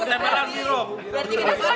dan kenapa ga dihitung di gua datang kla futuro